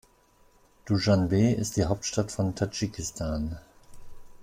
Duschanbe ist die Hauptstadt von Tadschikistan.